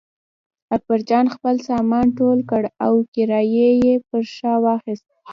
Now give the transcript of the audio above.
اکبرجان خپل سامان ټول کړ او کړایی یې پر شا واخیست.